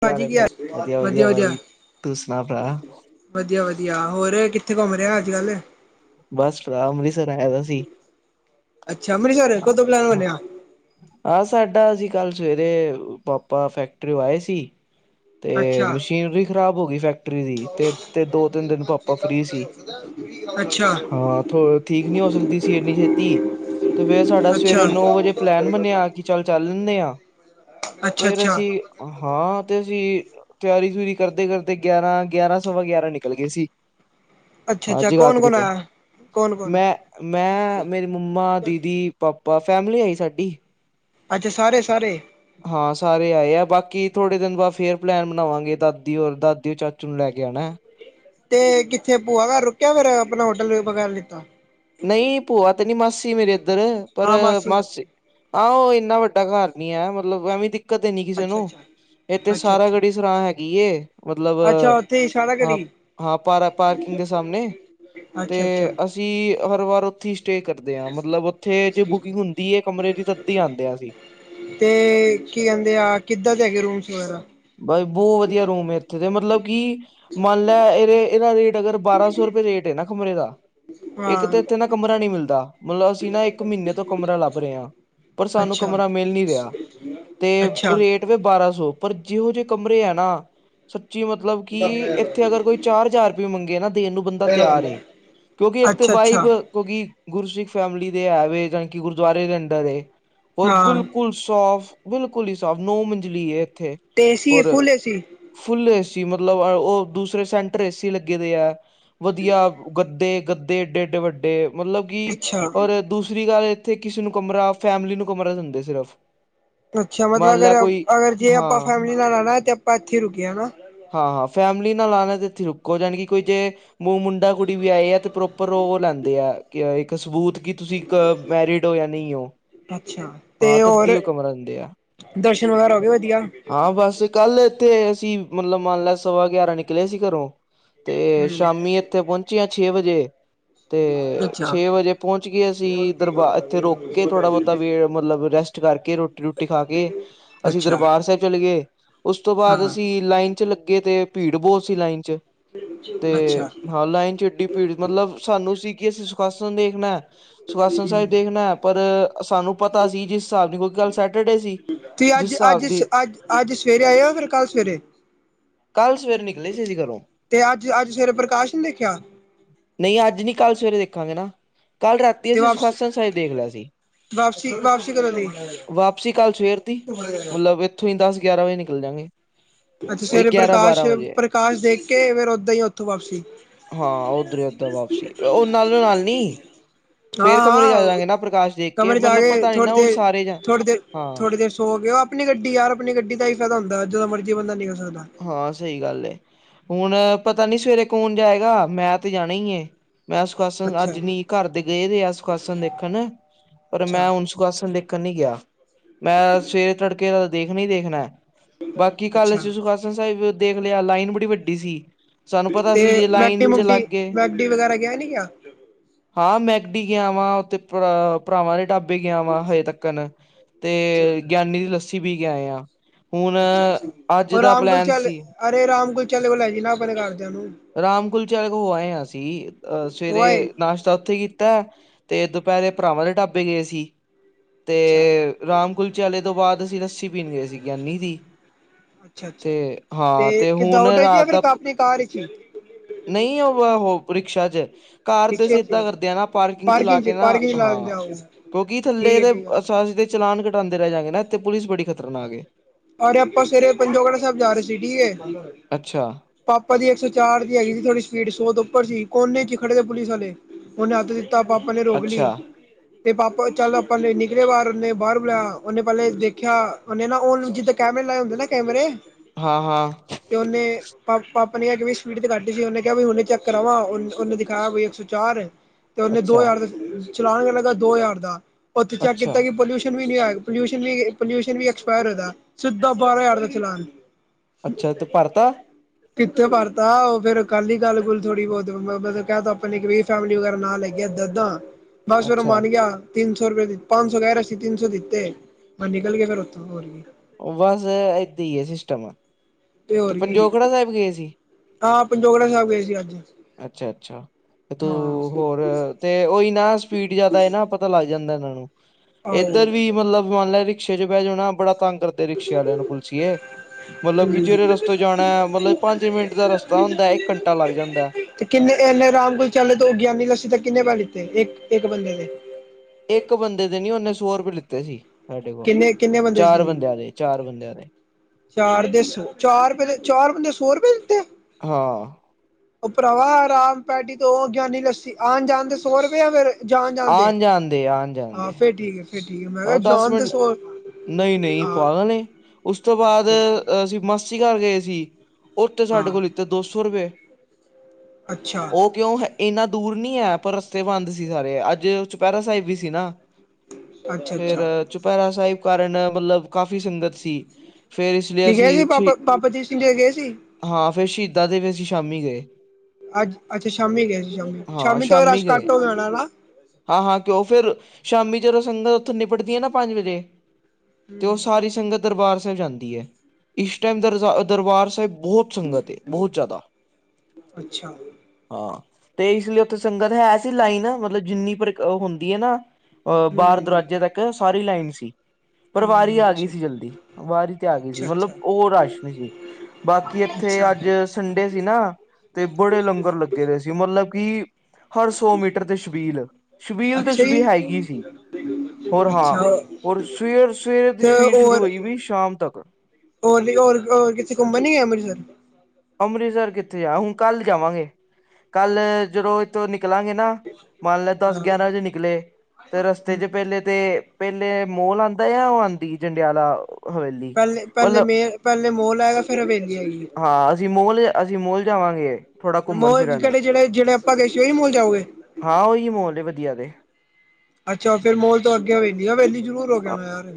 ਭਾਜੀ ਕੀ ਹਾਲ ਜੇ, ਵਧੀਆ, ਵਧੀਆ, ਤੂੰ ਸੁਣਾ ਪ ਵਧੀਆ, ਵਧੀਆ ਹੋਰ ਕਿੱਥੇ ਘੁੰਮ ਰਹੇ ਔ ਅੱਜ ਕੱਲ ਬਸ ਪਰਾ ਅੰਮ੍ਰਿਤਸਰ ਆਇਆ ਦਾ ਸੀ। ਅੱਛਾ, ਅੰਮ੍ਰਿਤਸਰ ਹਾਂ ਕਦੋਂ ਪਲੇਨ ਹਾਂ ਬਣਿਆ। ਆਹ ਸਾਡਾ ਅਸੀਂ ਕੱਲ ਸਵੇਰੇ ਪਾਪਾ ਫੈਕਟਰੀ' ਔ 'ਆਏ ਸੀ। ਤੇ ਅੱਛਾ ਮਸ਼ੀਨਰੀ ਖ਼ਰਾਬ ਹੋ ਗਈ ਫੈਕਟਰੀ ਦੀ ਤੇ ਤੇ ਦੋ ਤਿੰਨ ਦਿਨ ਪਾਪਾ ਫਰੀ ਸੀ। ਅੱਛਾ। ਹਾਂ ਥੋ ਠੀਕ ਨੀ ਹੋ ਸਕਦੀ ਸੀ ਇੰਨੀ ਛੇਤੀ, ਤੇ ਫੇਰ ਸਾਡਾ ਅੱਛਾ ਸਵੇਰੇ ਨੌ ਵਜੇ ਪਲੈਨ ਅੱਛਾ ਬਣਿਆ ਕਿ ਚੱਲ ਚੱਲ ਲੈਂਦੇ ਹਾਂ ਅੱਛਾ ਫੇਰ ਅੱਛਾ ਅਸੀਂ ਹਾਂ ਤੇ ਅਸੀਂ ਤਿਆਰੀ ਤੂਰੀ ਕਰਦੇ ਕਰਦੇ ਗਿਆਰਾਂ ਗਿਆਰਾਂ ਸਵਾ ਗਿਆਰਾਂ ਨਿਕਲ ਗਏ ਸੀ। ਹਾਂ ਅੱਛਾ ਕੌਣ ਜਗਾਦਰੀ ਕੌਣ ਤੋਂ ਆਇਆ ਕੌਣ ਕੌਣ ਮੈਂ ਮੈਂ ਮੇਰੀ ਮੰਮਾ ਦੀਦੀ ਪਾਪਾ ਫੈਮਲੀ ਆਈ ਸਾਡੀ, ਅੱਛਾ ਸਾਰੇ, ਸਾਰੇ, ਹਾਂ ਸਾਰੇ ਆਏ ਆ ਬਾਕੀ ਥੋੜੇ ਦਿਨ ਬਾਅਦ ਫੇਰ ਪਲੈਨ ਬਣਾਵਾਂਗੇ ਦਾਦੀ ਔਰ ਦਾਦੀ ਔਰ ਚਾਚੂ ਨੂੰ ਲੈ ਕੇ ਆਉਣਾ, ਤੇ ਕਿੱਥੇ ਭੂਆ ਘਰ ਰੁਕਿਆ ਫੇਰ ਆਪਣਾ ਹੋਟਲ ਵਗੈਰਾ ਲਿੱਤਾ, ਨਹੀਂ ਭੂਆ ਤੇ ਨੀ ਮਾਸੀ ਮੇਰੇ ਇੱਧਰ ਪਰ ਮਾਸੀ ਆਹੋ ਉਹ ਇੰਨਾ ਵੱਡਾ ਘਰ ਨੀ ਹੈ ਮਤਲਬ ਐਵੇਂ ਦੀ ਦਿੱਕਤ ਨੀ ਕਿਸੇ ਅੱਛਾ ਨੂੰ ਅੱਛਾ ਇੱਥੇ ਅੱਛਾ ਸਾਰਾ ਅੱਛਾ ਗੜੀ ਸਂਰਾ ਹੈਗੀ ਏ, ਮਤਲਬ ਅੱਛਾ ਉੱਥੇ ਇਸ਼ਾਰਾ ਹਾਂ ਕਰੀ ਹਾਂ ਪਾਰ ਪਾਰਕਿੰਗ ਦੇ ਸਾਹਮਣੇ ਤੇ ਅੱਛਾ ਅੱਛਾ ਅਸ ਜੀ ਹਰ ਵਾਰ ਉੱਥੇ ਹੀ ਸਟੇ ਕਰਦੇ, ਦੇ ਹਾ ਮਤਲਬ ਉੱਥੇ ਜੇ ਬੁਕਿੰਗ ਹੁੰਦੀ ਹੈ, ਕਮਰੇ ਦੀ ਤਂਧੀ ਆਂਦੇ ਹਾ ਅਸੀਂ। ਤੇ ਕੀ ਕਹਿੰਦੇ ਆ ਕਿੱਦਾਂ ਦੇ ਹੈਗੇ ਰੂਮਸ ਵਗੈਰਾ ਬਾਈ ਬਹੁਤ ਵਧੀਆ ਰੂਮ ਹੈ ਇੱਥੇ ਦੇ ਮਤਲਬ ਕਿ ਮੰਨ ਲੈ ਇਹਦੇ ਇਹਣਾ ਦੀ ਅਗਰ ਬਾਰਾਂ ਸੌ ਰੁਪਏ ਰੇਟ ਹੈ ਨਾ ਕਮਰੇ ਦਾ ਇੱਕ ਹਾਂ ਤਾਂ ਇੱਥੇ ਨਾ ਕਮਰਾ ਨੀ ਮਿਲਦਾ ਮਤਲਬ ਅਸੀਂ ਨਾ ਇੱਕ ਮਹੀਨੇ ਤੋਂ ਕਮਰਾ ਲੱਭ ਰਹੇ ਹਾਂ। ਪਰ ਸਾਨੂੰ ਅੱਛਾ ਕਮਰਾ ਮਿਲ ਨੀ ਰਿਹਾ ਤੇ ਅੱਛਾ। ਰੇਟ ਤੇ ਫਿਰ ਬਾਰਾਂ ਸੌ ਪਰ ਜਿਹੋ ਜਿਹੇ ਕਮਰੇ ਹੈ ਨਾ, ਸੱਚੀ ਮਤਲਬ ਕਿ ਇੱਥੇ ਅਗਰ ਕੋਈ ਚਾਰ ਹਜ਼ਾਰ ਰੁਪਏ ਮੰਗੇ ਨਾ ਦੇਣ ਨੂੰ ਬੰਦਾ ਤਿਆਰ ਏ, ਕਿਉਂਕਿ ਇੱਕ ਅੱਛਾ ਅੱਛਾ ਵਹਿਬ ਹੋਗੀ ਗੁਰ ਸਿੱਖ ਫੈਮਿਲੀ ਦੇ ਹੈ ਵੇ ਜਾਣੀ ਕੀ ਗੁਰੂਦੁਆਰੇ ਰਹਿਣ ਦਾ ਵੇ, ਹੋਰ ਹਾਂ। ਬਿਲਕੁਲ ਸਾਫ ਬਿਲਕੁਲ ਹੀ ਸਾਫ ਨੋ ਮੰਜਲੀ ਐ ਇੱਥੇ, ਦੇਸੀ ਤੇ ਏ ਫੁੱਲ ਏ ਸੀ, ਫੁਲ ਏ ਸੀ ਮਤਲਬ ਉਹ ਦੂਸਰੇ ਸੈਂਟਰ ਏਸੀ ਲੱਗੇ ਦੇ ਆ ਵਧੀਆ, ਗੱਦੇ ਗੱਦੇ ਏਡੇ ਏਡੇ ਵੱਡੇ ਮਤਲਬ ਕਿ ਅੱਛਾ, ਔਰ ਦੂਸਰੀ ਗੱਲ ਤੇ ਕਿਸੇ ਨੂੰ ਕਮਰਾ ਫੈਮਲੀ ਨੂੰ ਕਮਰਾ ਦਿੰਦੇ ਸਿਰਫ ਅੱਛਾ ਮਤਲਬ ਮੰਨ ਅਗਰ ਲੈ ਕੋਈ ਅਗਰ ਜੇ ਆਪਾਂ ਹਾਂ ਫੈਮਿਲੀ ਨਾਲ ਆਉਣਾ ਤੇ ਆਪਾਂ ਇੱਥੇ ਹੀ ਰੁਕੀਏ ਹਨਾ ਹਾਂ ਹਾਂ ਫੈਮਿਲੀ ਨਾਲ ਆਉਣਾ ਤੇ ਇੱਥੇ ਰੁਕੋ ਜਾਣੀ ਕਿ ਕੋਈ ਜੇ ਮੂੰਹ ਮੁੰਡਾ ਕੁੜੀ ਵੀ ਆਏ ਆ ਤੇ ਪ੍ਰੋਪਰ ਉਹ ਲੈਂਦੇ ਆ ਕਿ ਇੱਕ ਸਬੂਤ ਕੀ ਤੁਸੀਂ ਕ ਮੈਰਿਡ ਹੋ ਜਾਂ ਨਹੀਂ ਹੋ ਅੱਛਾ ਤੇ ਹਾਂ ਹੋਰ ਤਦੀ ਉਹ ਕਮਰਾ ਦਿੰਦੇ ਆ ਦਰਸ਼ਨ ਵਗੈਰਾ ਹੋ ਗਏ ਵਧੀਆ ਹਾਂ ਬਸ ਕੱਲ ਇੱਥੇ ਅਸੀਂ ਮਤਲਬ ਮੰਨ ਲੈ ਸਵਾ ਗਿਆਰਾਂ ਨਿਕਲੇ ਸੀ ਘਰੋਂ ਤੇ ਹੂੰ, ਸ਼ਾਮੀ ਇੱਥੇ ਪਹੁੰਚੇ ਆਂ ਛੇ ਵਜੇ ਤੇ ਅੱਛਾ। ਛੇ ਵਜੇ ਪਹੁੰਚ ਗਏ ਅਸੀਂ ਦਰਬਾਰ ਇੱਥੇ ਰੋਕ ਕੇ ਥੋੜ੍ਹਾ ਬਹੁਤਾ ਵੇ ਮਤਲਬ ਰੈਸਟ ਕਰਕੇ ਰੋਟੀ ਰੋਟੀ ਖਾ ਕੇ ਅਸੀਂ ਅੱਛਾ, ਦਰਬਾਰ ਸਾਹਿਬ ਚਲੇ ਉਸ ਤੋਂ ਬਾਅਦ ਹਾਂ, ਚਅਸੀਂ ਲਾਈਨ ਚ ਲੱਗੇ ਤੇ ਭੀੜ ਬੋਤ ਸੀ ਲਾਈਨ ਚ ਤੇ ਅੱਛਾ। ਹਾਂ ਲਾਈਨ ਚੇਡੀ ਪੀੜ ਮਤਲਬ ਸਾਨੂੰ ਸੀ ਕਿ ਅਸੀਂ ਸੁਖਾਸਨ ਦੇਖਣਾ ਸੁਖਾਸਨ ਸਾਹਿਬ ਦੇਖਣਾ ਹੈ, ਪਰ ਸਾਨੂੰ ਪਤਾ ਸੀ ਜਿਸ ਹਿਸਾਬ ਦੀ ਕੋਈ ਕੱਲ ਸੈਟਰਡੇ ਸੀ। ਤੁਸੀਂ ਜਿਸ ਅੱਜ ਅੱਜ ਹਿਸਾਬ ਸ ਦੀ ਅੱਜ ਅੱਜ ਸਵੇਰੇ ਆਏਓ, ਫਿਰ ਕੱਲ੍ਹ ਸਵੇਰੇ ਕੱਲ੍ਹ ਸਵੇਰੇ ਨਿਕਲੇ ਸੀ ਜ ਘਰੋਂ ਤੇ ਅੱਜ, ਅੱਜ ਸਵੇਰੇ ਪ੍ਰਕਾਸ਼ ਨ ਦੇਖਿਆ। ਨਹੀਂ ਅੱਜ ਨ ਕੱਲ੍ਹ ਸਵੇਰੇ ਦੇਖਾਂਗੇ ਨਾ, ਕੱਲ੍ਹ ਰਾਤੀ ਤੇ ਅਸੀਂ ਵਾਪਸ ਸੁਖਾਸਨ ਸਾਹਿਬ ਦੇਖ ਲਿਆ ਸੀ। ਵਾਪਸੀ ਵਾਪਸੀ ਕਦੋਂ ਦੀ। ਵਾਪਸੀ ਕੱਲ ਸਵੇਰ ਦੀ ਮਤਲਬ ਉੱਥੋਂ ਹੀ ਦਸ ਗਿਆਰਾਂ ਵਜੇ ਨਿਕਲ ਜਾਂਗੇ। ਅੱਛਾ ਉਹੀ ਸਵੇਰੇ ਗਿਆਰਾਂ ਪ੍ਰਕਾਸ਼, ਬਾਰਾਂ ਵਜੇ ਪ੍ਰਕਾਸ਼ ਦੇਖ ਕੇ ਫੇਿਰ ਓਦਾਂ ਹੀ ਓਥੋਂ ਵਾਪਸੀ ਹਾਂ ਓਧਰ ਓਦਾਂ ਵਾਪਸੀ, ਉਹ ਨਾਲੋਂ ਨਾਲ ਨ ਫੇਰ ਕਮਰੇ ਚ ਆ ਹਾਂ-ਹਾਂ ਜਾਗੇ ਨਾ ਪ੍ਰਕਾਸ਼ ਦੇਖ ਕੇ, ਕਮਰੇ ਚ ਆ ਮਤਲਬ ਪਤਾ ਨੀ ਥੋੜੀ ਨਾ, ਹੁਣ ਦੇਰ ਸਾਰੇ ਜਾ ਥੋੜੀ ਦੇਰ ਹਾਂ। ਥੋੜੀ ਦੇਰ ਸੋ ਕੇ ਉਹ ਆਪਣੀ ਗੱਡੀ ਯਾਰ, ਆਪਣੀ ਗੱਡੀ ਦਾ ਹੀ ਫਾਇਦਾ ਹੁੰਦਾ, ਜਦੋਂ ਮਰਜ਼ੀ ਬੰਦਾ ਨਿਕਲ ਸਕਦਾ। ਹਾਂ ਸਹੀ ਗੱਲ ਹੁਣ ਪਤਾ ਨੀ ਸਵੇਰੇ ਕੌਣ ਜਾਏਗਾ, ਮੈਂ ਤੇ ਜਾਣਾ ਹੀ ਮੈਂ ਸੁਖਾਸਨ ਅੱਛਾ-ਅੱਛਾ ਅੱਜ ਨੀ ਘਰ ਦੇ ਗਏ ਰ ਆ ਸੁਖਾਸਨ ਦੇਖਣ, ਪਰ ਅੱਛਾ ਮੈਂ ਹੁਣ ਸੁਖਾਸਣ ਦੇਖਣ ਨੀ ਗਿਆ, ਮੈਂ ਸਵੇਰੇ ਤੜਕੇ ਦੇਖਣਾ ਹੀ ਦੇਖਣਾ। ਬਾਕੀ ਕੱਲ ਅੱਛਾ ਅਸੀ ਸੁਖਾਸਨ ਸਾਹਿਬ ਦੇਖ ਲਿਆ ਲਾਈਨ ਬੜੀ ਵੱਡੀ ਸੀ- ਸਾਨੂੰ ਪਤਾ ਤੇ ਸੀ ਜੇ ਲਾਈਨ ਮੈਕਟੀ ਚ ਲੱਗ ਮੁਕਟੀ ਗਏ- ਮੈਕਡੀ ਵਗੈਰਾ ਗਿਆ ਨੀ ਕਿਆ ਹਾਂ ਮੈਕਡੀ ਗਿਆ ਵਾਂ ਉਥੇ ਭਰਾਵਾਂ ਦੇ ਢਾਬੇ- ਵੀ ਗਿਆ ਵਾ ਹਜੇ ਤੱਕਣ ਅੱਛਾ ਤੇ ਗਿਆਨੀ ਦੀ ਲੱਸੀ ਵੀਪੀ ਕੇ ਆਏ ਆ ਹੁਣ ਅੱਛਾ-ਅੱਛਾ ਅੱਜ ਉਹ ਦਾ- ਰਾਮ ਪਲੈਨ ਕੁਲਚੱਲ ਸੀ ਅਰੇ ਰਾਮ ਕੁਲਚੱਲ ਵਾਲ ਲੈ ਜ ਨਾ ਆਪਣੇ ਕਰਦਿਆਂ ਨੂੰ- ਰਾਮ ਕੁਲਚਾਰ ਹੋ ਆਏ ਹਾਂ ਅਸੀਂ ਅਹ ਉਹ ਆਏ ਸਵੇਰੇ- ਨਾਸ਼ਤਾ ਉੱਥੇ ਕੀਤਾ ਤੇ ਦੁਪੈਰੇ ਭਰਾਵਾਂ ਦੇ ਢਾਬੇ ਗਏ ਸੀ ਅੱਛਾ ਤੇ- ਰਾਮ ਕੁਲਚੇ ਆਲੇ ਤੋਂ ਬਾਅਦ ਅਸੀਂ ਲਸੀ ਪੀਣ ਗਏ ਸੀ ਗਿਆਨੀ ਦੀ- ਤੇ ਅੱਛਾ-ਅੱਛਾ ਹਾਂ ਤੇ ਕਿੱਦਾਂ ਹੁਣ ਆਟੋ ਚ ਜਾਂ ਫਿਰ ਰਾਤ- ਆਪਣੀ ਕਾਰ ਵਿਚ ਹੀ ਨਹੀਂ ਉਹ ਉਹ ਰਿਕਸ਼ਾ ਚ- ਕਾਰ ਤੇ ਰਿਕਸ਼ੇ ਅਸੀਂ ਏਦਾਂ ਕਰਦੇ ਹ ਨਾ ਪਾਰਕਿੰਗ ਚਲਾ ਚ ਕੇ ਨਾ ਪਾਰਕਿੰਗ ਲਾ ਦਿੰਦੇ ਹਾਂ- ਆ ਉਹ ਕਿਉਂਕਿ ਠੀਕ ਥੱਲੇ ਹੈ ਦੇ ਠੀਕ ਆ ਅਸੀ ਦੇ ਚਲਾਨ ਕਟਾਂਦੇ ਰਹਿ ਜਾਂਗੇ ਨਾ ਤੇ ਪੁਲਿਸ ਬੜੀ ਖਤਰਨਾਕ- ਰ ਆਪਾਂ ਸਵੇਰੇ ਪੰਜੋਗੜਾ ਸਾਹਿਬ ਜਾ ਰਹੇ ਸੀ ਠੀਕ ਹੈ- ਅੱਛਾ- ਪਾਪਾ ਦੀ ਇੱਕ ਸੌ ਚਾਰ ਦੀ ਹੈਗੀ ਸੀ ਥੋਡੀ ਸਪੀਡ ਸੋਤ ਉੱਪਰ ਸੀ ਕੋਨੇ ਚ ਖੜੇ ਦੇ ਪੁਲਿਸ ਵਾਲੇ- ਉਹਨੇ ਹੱਥ ਦਿੱਤਾ ਪਾਪਾ ਨੇ ਰੋਕ ਅੱਛਾ ਲਈ- ਤੇ ਪਾਪਾ ਚੱਲ ਆਪਾਂ ਨਿਕਲੇ ਬਾਹਰ ਉਹਨੇ ਬਾਹਰ ਬੁਲਾਇਆ ਉਹਨੇ ਪੈਲੇ ਦੇਖਿਆ ਉਹਨੇ ਨਾ ਉਹ ਜ- ਕੈਮਰੇ ਲਾਏ ਹੁੰਦੇ ਨਾ ਕੈਮਰੇ- ਹਾਂ ਹਾਂ- ਕਿ ਉਹਨੇ- ਪਾ ਪਾਪਾ ਨੇ ਕਿਹਾ ਕਿ ਸਪੀਡ ਤੇ ਕੱਟੀ ਸੀ ਉਹਨੇ ਕਿਹਾ ਵੀ ਹੁਨੇ ਚੱਕ ਕਰਾਵਾ ਉਹਨੇ ਦਿਖਾਇਆ ਕੋਈ ਇੱਕ ਸੌ ਚਾਰ- ਤੇ ਉਹਨੇ ਦੋ ਅੱਛਾ ਹਜ਼ਾਰ ਦਾ ਚਲਾਨ ਲੱਗਾ ਦੋ ਹਜ਼ਾਰ ਦਾ ਉੱਥੇ ਚੈੱਕ ਅੱਛਾ ਕੀਤਾ ਕਿ ਪੋਲਿਊਸ਼ਨ ਵੀ ਨਹੀਂ ਹੈ। ਪੋਊ ਵੀ ਪੋਲਿਊਸ਼ਨ ਵੀ। ਐਕਸਪਾਇਰ ਏਦਾ ਸਿੱਧਾ ਬਾਰਾਂ ਹਜ਼ਾਰ ਦਾ ਚਲਾਨ। ਅੱਛਾ ਤੇ ਭਰਤਾ ਕਿੱਥੋਂ ਭਰਤਾ ਉਹ ਫੇਰ ਕੱਲ ਹੀ ਗੱਲ ਗੁਲ ਥੋੜੀ ਬੋਤ ਮਤਲਬ ਕਹਿ ਤਾ ਆਪਣੀ ਫੈਮਲੀ ਵਗੈਰਾ ਲੈ ਕੇ, ਏਦਾਂ- ਏਦਾਂ ਬਸ ਫੇਰ ਅੱਛਾ ਮੰਨ ਗਿਆ। ਤਿੰਨ ਸੌ ਰੁਪਏ ਪੰਜ ਸੌ ਕਹਿ ਰਹੇ ਸੀ ਤਿੰਨ ਸੌ ਦਿੱਤੇ ਮੈਂ ਨਿਕਲ ਗਏ ਫਿਰ ਉੱਥੋਂ ਹੋਰ ਕੀ। ਉਹ ਬਸ ਏਦਾਂ ਈ ਆ, ਸਿਸਟਮ। ਤੇ ਹੋਰ ਕੀ ਪੰਜੋਖੜਾ ਸਾਹਿਬ ਗਏ ਸੀ! ਹਾਂ ਪੰਜੋਗੜਾ ਸਾਹਿਬ ਗਏ ਸੀ ਅੱਜ ਅੱਛਾ- ਅੱਛਾ ਤੂੰ ਹਾਂ ਹੋਰ, ਅ ਤੇ ਉਹੀ ਨਾ ਸਪੀਡ ਜਿਆਦਾ ਨਾ, ਪਤਾ ਲੱਗ ਜਾਂਦਾ ਇਹਨਾਂ ਨੂੰ। ਆਹੋ ਏਧਰ ਵੀ ਮਤਲਬ ਮੰਨ ਲੋ ਰਿਕਸ਼ੇ ਚ ਬਹਿ ਜਾਣਾ ਬੜਾ ਤੰਗ ਕਰ ਰਿਕਸ਼ੇ ਵਾਲਿਆਂ ਨੂੰ ਪੁਛੀਏ ਮਤਲਬ ਕਿ, ਓਸ ਤੇ ਜਾਣਾ ਮਤਲਬ ਪੰਜ ਮਿੰਟ ਦਾ ਰਸਤਾ ਹੁੰਦਾ ਇੱਕ ਘੰਟਾ ਲੱਗ ਜਾਂਦਾ। ਤੇ ਕਿੰਨੇ ਇਨੇ ਅਰਾਮ ਨਾਲ ਚਲੇ ਤੇ ਉਹ ਗਿਆਨੀ ਤੁਸੀਂ ਨੇ ਕਿੰਨੇ ਪੈਸੇ ਲਿੱਤੇ ਇੱਕ -ਇੱਕ ਬੰਦੇ ਦੇ। ਇੱਕ ਬੰਦੇ ਦੇ ਨੀ, ਉਹਨੇ ਸੌ ਰੁਪਏ ਲਿੱਤੇ ਸੀ। ਸਾਡੇ ਕੋਲ ਕਿੰਨੇ-ਕਿੰਨੇ ਬੰਦੇ ਸੀ ਚਾਰ ਤੁਸੀਂ। ਬੰਦਿਆਂ ਦੇ ਚਾਰ ਬੰਦਿਆਂ ਦੇ ਚਾਰ ਦੇ ਸੌ, ਚਾਰ ਰੁਪਏ ਦੇ ਚਾਰ ਬੰਦੇ ਸੌ ਰੁਪਏ ਦਿੱਤੇ। ਹਾਂ! ਉਹ ਭਰਾਵਾ ਆਰਾਮ ਪੈਡੀ ਤੋਂ ਉਹ ਗਿਆਨੀ ਲੱਸੀ, ਆਉਣ ਜਾਣ ਤੇ ਸੌ ਰੁਪਇਆ ਫੇਰ। ਜਾਣ -ਜਾਣ ਦੇ ਆਣ ਜਾਣ ਆਹੋ ਫੇਰ ਠੀਕ ਏ। ਹ ਦਸ ਮਿੰਟ ਨਈ-ਨਈ ਹਾਂ ਪਾਗਲ ਏ, ਉਸ ਤੋਂ ਬਾਅਦ ਫਿਰ ਅਸੀਂ ਮਸ ਅਸੀ ਘਰ ਗਏ ਸੀ, ਓਥੇ ਸਾਡੇ ਹਾਂ ਕੋਲ ਲੀਤੇ ਦੋ ਸੌ ਰੁਪਏ। ਅੱਛਾ ਉਹ ਕਿਉਂ ਹੈ! ਇੰਨਾ ਦੂਰ ਨਈ ਹੈ, ਪਰ ਰਸਤੇ ਬੰਦ ਸੀ ਸਾਰੇ, ਅੱਜ ਚੁਪੈਹਰਾ ਸਾਹਿਬ ਵੀ ਸੀ ਨਾ। ਅੱਛਾ ਫੇਰ ਅੱਛਾ ਚੁਪਹਿਰਾ ਸਾਹਿਬ ਕਾਰਨ, ਮਤਲਬ ਕਾਫੀ ਸੰਗਤ ਸੀ। ਫੇਰ ਇਸ ਲਈ ਤੁਸੀ ਗਏ ਸੀ ਅਸੀਂ ਛੇ ਬਾਬਾ- ਬਾਬਾ ਦੀਪ ਸਿੰਘ ਜੀ ਦੇ ਗਏ ਸੀ। ਹਾਂ, ਫੇਰ ਸ਼ਹੀਦਾਂ ਦੇ ਵੀ ਅਸੀਂ ਸ਼ਾਮੀ ਗਏ। ਅੱਜ, ਅੱਛਾ ਸ਼ਾਮੀ ਗਏ ਸੀ, ਹਾਂ ਸ਼ਾਮੀ ਤੇ ਰਸ਼ ਗਏ ਘੱਟ ਹੋ ਜਾਣਾ ਹਨਾ। ਹਾਂ- ਹਾਂ ਕਿਉਂ ਫੇਰ, ਸ਼ਾਮੀ ਜਦੋਂ ਸੰਗਤ ਉੱਥੋਂ ਨਿਪਟਦੀ ਹੈ ਨਾ ਪੰਜ ਵਜੇ, ਤੇ ਉਹ ਹੂੰ ਸਾਰੀ ਸੰਗਤ ਦਰਬਾਰ ਸਾਹਿਬ ਜਾਂਦੀ ਏ, ਇਸ ਟਾਈਮ ਦਰ ਦਰਬਾਰ ਸਾਹਿਬ ਬਹੁਤ ਸੰਗਤ ਏ, ਬੋਤ ਜ਼ਿਆਦਾ! ਅੱਛਾ ਹਾਂ, ਤੇ ਇਸ ਲਈ ਉੱਥੇ ਸੰਗਤ ਹੈ ਸੀ, ਲਾਈਨ ਮਤਲਬ ਜਿੰਨੀ ਪਰ ਹੁੰਦੀ ਹੈ ਨਾ, ਅ, ਬਾਹਰ ਹੂੰ ਦਰਵਾਜੇ ਤੱਕ ਸਾਰੀ ਲਾਈਨ ਸੀ। ਪਰ ਵਾਰੀ ਹੂੰ ਆ ਗਈ ਅੱਛਾ ਸੀ ਜਲਦੀ, ਵਾਰੀ ਤੇ ਆ ਗਈ ਸੀ ਅੱਛਾ ਮਤਲਬ, ਉਹ ਰਸ਼ ਨਹੀਂ ਸੀ। ਬਾਕੀ ਅੱਛਾ ਇੱਥੇ ਅੱਛਾ ਅੱਜ ਸੰਡੇ ਸੀ ਨਾ, ਤੇ ਬੜੇ ਲੰਗਰ ਲੱਗੇ ਦੇ ਸੀ, ਮਤਲਬ ਕਿ, ਹਰ ਸੌ ਮੀਟਰ ਤੇ ਸ਼ਬੀਲ -ਸ਼ਬੀਲ ਤੇ ਸ਼ਬੀਲ ਹੈਗੀ ਸੀ। ਸਹੀ ਗੱਲ ਆ। ਹੋਰ ਹਾਂ, ਔਰ ਸਵੇਰ-ਸਵੇਰੇ ਦੀ ਤੇ ਛਬੀਲ ਸ਼ੁਰੂ ਹੋਈ ਵੀ ਸ਼ਾਮ ਤੱਕ! ਹੋਰ ਜੀ ਹੋਰ- ਹੋਰ ਕਿੱਤੇ ਘੁੰਮਣ ਨਹੀਂ ਆਏ ਅੰਮ੍ਰਿਤਸਰ! ਅੰਮ੍ਰਿਤਸਰ ਕਿੱਥੇ ਜਾ ਹੁਣ ਕੱਲ੍ਹ ਜਾਵਾਂਗੇ। ਕੱਲ ਜਦੋਂ ਇੱਥੋਂ ਨਿਕਲਾਂਗੇ ਨਾ, ਮੰਨ ਲੈ ਦਸ ਹਾਂ ਗਿਆਰਾਂ ਵਜੇ ਨਿਕਲੇ। ਤੇ ਰਸਤੇ ਚ ਪਹਿਲੇ ਤੇ ਪਹਿਲੇ ਮੋਲ ਆਉਂਦਾ ਜਾਂ ਉਹ ਆਉਂਦੀ ਜੰਡਿਆਲਾ! ਹਵੇਲੀ ਪਹਿਲੇ, ਪਹਿਲੇ ਮਤਲਬ ਮੇ ਪਹਿਲੇ ਮੋਲ ਆਏਗਾ, ਫੇਰ ਹਵੇਲੀ ਆਏਗੀ। ਹਾਂ ਅਸੀਂ ਮੋਲ -ਅਸੀਂ ਮੋਲ ਜਾਵਾਂਗੇ। ਥੋੜਾ ਘੁੰਮਣ ਮੋਲ ਕੀ ਫਿਰਨ ਕਹਿੰਦੇ ਜਿਹੜੇ-ਜਿਹੜੇ ਆਪਾਂ ਗਏ ਸੀ, ਉਹੀ ਮੋਲ ਜਾਓਗੇ। ਹਾਂ ਉਹੀ ਮੋਲ ਵਧੀਆ ਵੈ। ਅੱਛਾ ਫੇਰ ਮੋਲ ਤੋਂ ਅੱਗੇ ਹਵੇਲੀ- ਹਵੇਲੀ ਜ਼ਰੂਰ ਹੋ ਕੇ ਆਉਣਾ ਯਾਰ!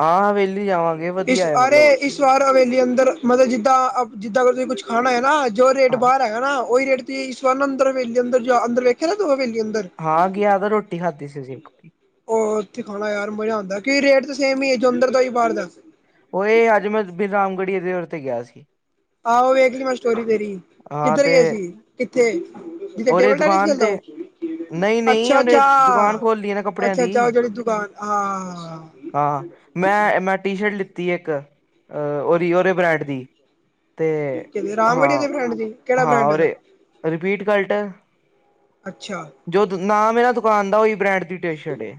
ਹਾਂ ਹਵੇਲੀ ਜਾਵਾਂਗੇ, ਇਸ ਵੱਧੀਆ ਏ ਅਰੇ ਮਤਲਬ ਉੱਥੇ। ਇਸ ਵਾਰ ਹਵੇਲੀ ਅੰਦਰ ਮਤਲਬ ਜਿੱਦਾਂ- ਜਿੱਦਾਂ ਅ ਤੁਸੀਂ ਕੁਛ ਖਾਣਾ ਏ ਨਾ ਜੋ ਰੇਟ ਹਾਂ ਬਾਹਰ ਐ। ਹਨਾ, ਉਹੀ ਰੇਟ ਤੁਸੀ ਇਸ ਵਾਰ ਅੰਦਰ ਹਵੇਲੀ ਦੇ ਅੰਦਰ ਜਾਓ, ਅੰਦਰ ਵੇਖਿਆ ਨਾ ਤੂੰ ਹਵੇਲੀ ਅੰਦਰ। ਹਾਂ ਗਿਆ ਤਾਂ ਰੋਟੀ ਖਾਧੀ ਸੀ ਅਸੀ। ਉਹ ਉੱਥੇ ਖਾਣਾ ਯਾਰ ਮਜ਼ਾ ਆਂਦਾ ਕਿ ਰੇਟ ਤੇ ਸੇਮ ਈ ਏ ਜੋ ਅੰਦਰ ਦਾ ਉਹੀ ਬਾਰ ਦਾ ਓਏ ਅੱਜ ਮੈਂ ਬਿਨਾਂ ਅੰਗੜੀ ਦੇ ਉਰ ਤੇ ਗਿਆ ਸੀ। ਆਹੋ ਵੇਖਲੀ ਮੈਂ ਸਟੋਰੀ ਤੇਰੀ, ਹਾਂ ਕਿੱਧਰ ਤੇ ਗਏ ਸੀ। ਕਿੱਥੇ? ਜਿੱਥੇ ਉਹਦੇ ਟੇਬਲ ਟੈਨਿਸ ਦੁਕਾਨ ਖੇਲਦਾ ਤੇ ਨਹੀਂ ਨਹੀਂ ਅੱਛਾ ਉਹਨੇ ਅੱਛਾ, ਦੁਕਾਨ ਖੋਲੀ ਨਾ ਕੱਪੜਿਆਂ ਅੱਛਾ ਦੀ ਅੱਛਾ ਜਿਹੜੀ ਦੁਕਾਨ, ਹਾਂ, ਹਾਂ। ਹਾਂ, ਹਾਂ। ਅੱਛਾ ਮੈਂ ਮੈਂ ਟੀ ਸ਼ਰਟ ਲਿੱਤੀ ਇੱਕ, ਉਹਦੀ ਉਹਦੇ ਬ੍ਰੇਂਡ ਦੀ ਤੇ ਕਿਹਦੇ ਰਾਮਗੜੀਆ ਹਾਂ, ਦੇ ਬ੍ਰਾਂਡ ਦੀ ਕਿਹੜਾ ਹਾਂ ਬ੍ਰਾਂਡ ਉਹਦਾ ਉਰੇ ਰਿਪੀਟ ਕਲਟ ਅੱਛਾ। ਜੋ ਦ ਨਾਮ ਏ ਨਾ ਦੁਕਾਨ ਦਾ ਉਹੀ ਬ੍ਰੈਂਡ ਦੀ ਟੀ ਸ਼ਰਟ ਐ,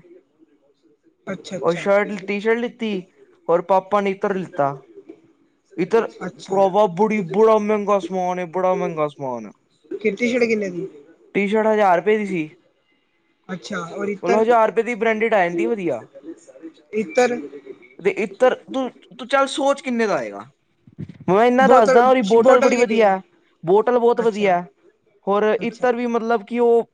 ਅੱਛਾ ਔਰ ਸ਼ਰਟ ਟੀ ਸ਼ਰਟ ਲਿੱਤੀ। ਔਰ ਪਾਪਾ ਨੇ ਇਤੱਰ ਲਿੱਤਾ। ਇੱਧਰ ਅੱਛਾ ਅੱਛਾ ਭਰਾਵਾ ਬੜੀ ਬੜਾ ਮਹਿੰਗਾ ਸਮਾਨ ਏ, ਬੜਾ ਮਹਿੰਗਾ ਸਮਾਨ ਤੇਰੀ ਟੀ ਸ਼ਰਟ ਕਿਨੇ ਦੀ ਏ? ਟੀ ਸ਼ਰਟ ਹਜ਼ਾਰ ਰੁਪਏ ਦੀ ਸੀ। ਅੱਛਾ ਔਰ ਮਤਲਬ ਇਤਰ? ਹਜ਼ਾਰ ਦੀ ਬ੍ਰਾਂਡੇਡ ਆ ਜਾਂਦੀ ਵਧੀਆ। ਇਤਰ। ਤੇ ਇੱਤਰ ਤੂੰ, ਤੂੰ ਚੱਲ ਸੋਚ ਕਿੰਨੇ ਦਾ ਆਏਗਾ? ਮੈਂ ਇਨਾ ਬੋਤਲ ਦੱਸਦਾ ਓਦੀ ਬੋਟਲ ਬੜੀ ਕਿੰਨੀ ਹੈ ਵਧੀਆ, ਬੋਟਲ ਬਹੁਤ ਅੱਛਾ ਵਧੀਆ। ਹੋਰ ਅੱਛਾ ਇੱਤਰ ਵੀ ਮਤਲਬ ਕਿ ਉਹ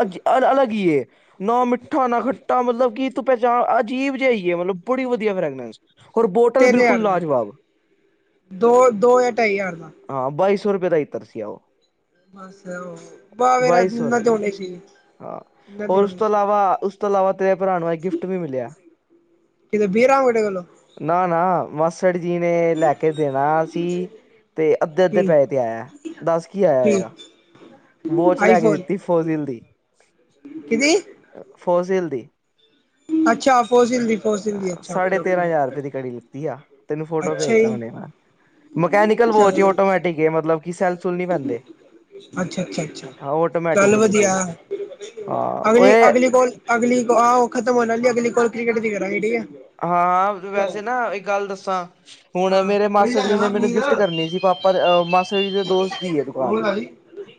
ਅੱਜ ਅਲੱਗ ਈ ਐ ਨਾ ਮਿੱਠਾ, ਨਾ ਖੱਟਾ ਮਤਲਬ ਕਿ ਤੂੰ ਪਹਿਚਾਣ ਅਜੀਬ ਜਿਆ ਈ ਏ ਮਤਲਬ ਬੜੀ ਵਧੀਆ ਫਰੈਗਰੈਂਸ ਤਿੰਨ ਹਜ਼ਾਰ ਦਾ ਦੋ-ਦੋ ਜਾਂ ਢਾਈ ਹਜ਼ਾਰ ਦਾ। ਹਾਂ ਬਾਈ ਸੌ ਰੁਪਏ ਦਾ ਇੱਤਰ ਸੀ ਆ ਉਹ। ਬਸ ਬਾਈ ਸੌ [unintelligible] ਸੀ। ਹਾਂ ਹੋਰ ਉਸ ਤੋਂ ਇਲਾਵਾ, ਉਸ ਤੋਂ ਇਲਾਵਾ ਤੇਰੇ ਭਰਾ ਨੂੰ ਏ ਗਿਫਟ ਵੀ ਮਿਲਿਆ। ਕਿ ਬੀਰਾਂ ਵਡੇ ਕੋਲੋ ਨਾ ਨਾ ਮਾੱਸੜ ਜੀ ਨੇ ਲੈ ਕੇ ਦੇਣਾ ਸੀ ਤੇ ਅੱਧੇ-ਅੱਧੇ ਪੈਹੇ ਤੇ ਆਇਆ ਦੱਸ ਕੀ ਆਇਆ ਹੋਏਗਾ? ਵੋਚ ਲੈ ਕੇ ਦਿੱਤੀ ਫੋਜ਼ਿਲ ਦੀ। ਕਿਦੀ? ਫੋਜ਼ਿਲ ਦੀ। ਅੱਛਾ ਫੋਜ਼ਿਲ ਦੀ ਫੋਜ਼ਿਲ ਦੀ ਅਹ ਅੱਛਾ ਓਕੇ, ਸਾਢੇ ਓਕੇ। [unintelligible] ਦੀ ਘੜੀ ਲਿੱਤੀ ਆ ਤੈਨੂੰ ਫੋਟੋ ਅੱਛਾ ਭੇਜਦਾ ਜੀ ਹੁਣੇ, ਮਕੈਨੀਕਲ ਚੱਲ ਵੋਚ ਏ ਆਟੋਮੈਟਿਕ। ਕਿ ਮਤਲਬ ਕਿ ਸੈਲ ਸੁਲ ਨੀ ਪੈਂਦੇ ਅੱਛਾ ਅੱਛਾ ਅੱਛਾ, ਹਾਂ ਆਟੋਮੈਟਿਕ ਚੱਲ ਏ ਵਧੀਆ। ਬਿਲਕੁਲ ਹਾਂ ਅਗਲੀ ਓਏ ਅਗਲੀ ਕੋਲ, ਅਗਲੀ ਆਹ ਉਹ ਖ਼ਤਮ ਹੋਣ ਆਲੀ ਆ, ਅਗਲੀ ਕੋਲ ਕ੍ਰਿਕਟ ਦੀ ਕਰਾਂਗੇ। ਠੀਕ ਐ। ਹਾਂ ਵੈਸੇ ਨਾ ਇੱਕ ਗੱਲ ਦੱਸਾਂ ਹੁਣ ਹਾਂ ਮੇਰੇ ਮਾਸੜ ਜੀ ਨੇ ਮੈਨੂੰ ਗਿਫਟ ਕਰਨੀ ਸੀ ਪਾਪਾ ਅ ਮਾਸੜ ਜੀ ਦੇ ਦੋਸਤ ਦੀ ਐ ਦੁਕਾਨ।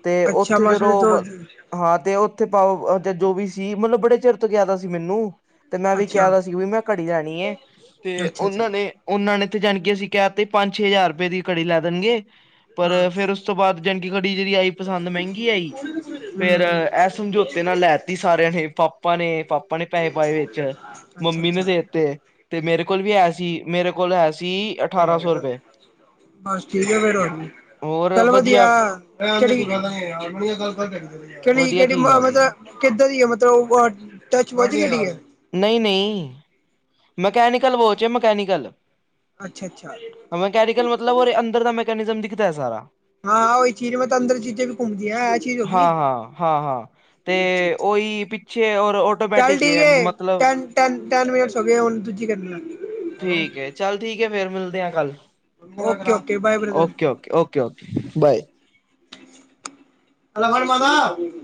ਤੇ ਅੱਛਾ ਉੱਥੇ ਮਾਸੜ ਜਦੋਂ ਦੋਸਤ ਹਾਂ ਤੇ ਉੱਥੇ ਪਾ ਓ ਜੋ ਵੀ ਸੀ, ਮਤਲਬ ਬੜੇ ਚਿਰ ਤੋਂ ਕਿਆ ਦਾ ਸੀ ਮੈਨੂੰ। ਤੇ ਮੈਂ ਵੀ ਕਿਹ ਅੱਛਾ ਰਿਆ ਸੀ ਵੀ ਮੈਂ ਘੜੀ ਲੈਣੀ ਐ ਤੇ ਅੱਛਾ ਅੱਛਾ ਉਹਨਾਂ ਨੇ ਤੇ ਉਹਨਾਂ ਨੇ ਤੇ ਜਾਣੀ ਕਿ ਅਸੀਂ ਕੈ ਤੇ ਪੰਜ-ਛੇ ਹਜ਼ਾਰ ਰੁਪਏ ਦੀ ਘੜੀ ਲੈ ਦੇਣਗੇ ਪਰ ਹਾਂ ਫੇਰ ਉਸ ਤੋਂ ਬਾਅਦ ਜਾਣੇ ਕੇ ਘੜੀ ਜਿਹੜੀ ਆਈ ਪਸੰਦ ਮਹਿੰਗੀ ਆਈ ਫੇਰ ਹਮ ਇਹ ਸਮਝੌ ਤੇ ਉਨੇ ਲੈਤੀ ਸਾਰਿਆਂ ਨੇ ਪਾਪਾ ਨੇ ਪਾਪਾ ਨੇ ਪੈਸੇ ਪਾਏ ਵਿੱਚ ਮੰਮੀ ਨੇ ਅੱਛਾ-ਅੱਛਾ, ਦੇ ਤੇ ਤੇ ਮੇਰੇ ਕੋਲ ਵੀ ਹੈ ਸੀ ਮੇਰੇ ਕੋਲ ਹੈ ਸੀ ਅਠਾਰਾਂ ਸੌ ਰੁਪਏ। ਬਸ ਠੀਕ ਆ ਫੇਰ ਹੋਰ ਕੀ ਏ। ਚੱਲ ਵਧੀਆ ਕਿਹੜੀ ਵਧੀਆ -ਕਿਹੜੀ ਚੀਜ਼ ਆ ਮਤਲਬ ਗਈ ਕਿੱਦਾਂ ਦੀ ਹੈ ਮਤਲਬ ਅ ਟੱਚ ਵੱਧ ਜੀ ਐ? ਨਈ ਨਈ। ਮਕੈਨੀਕਲ ਵੋਚ ਏ ਮਕੈਨੀਕਲ ਅੱਛਾ-ਅੱਛਾ, -ਮਕੈਨੀਕਲ ਮਤਲਬ ਓਦੇ ਅੰਦਰ ਦਾ ਉਸ ਅੰਦਰ ਦਿਖਦਾ ਹੈ ਸਾਰਾ। ਹਾਂ ਓਹੀ ਚੀਜ਼ ਮੈਂ ਤਾਂ ਅੰਦਰ ਚੀਜ਼ੇ ਵੀ ਘੁੰਮਦੀ ਐ ਇਹ ਚੀਜ਼ ਹੋ ਹਾਂ ਗਈ। ਹਾਂ ਹਾਂ ਹਾਂ। ਤੇ ਅੱਛਾ-ਅੱਛਾ, ਓਹੀ ਪਿੱਛੇ ਔਰ ਓਟੋਮੈਟਿਕ ਐ ਮਤਲਬ ਤੇਂ ਤੈਨ ਮਿੰਟਸ ਹੋ ਗਏ ਹੁਣ ਦੂਜੀੇ ਕਰਨੀ ਐ। ਠੀਕ ਏ ਚੱਲ ਠੀਕ ਹੈ ਫੇਰ ਮਿਲਦੇ ਆ ਕੱਲ okay okay bye brother. Okay okay okay okay bye [unintelligible]